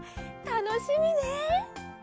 たのしみね。